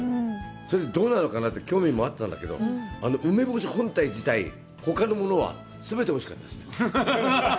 それで、どうなのかなって興味もあったんだけど、あの梅干し本体自体、ほかのものは全ておいしかったです。